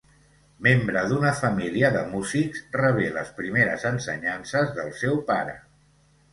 Membre d'una família de músics, rebé les primeres ensenyances del seu pare.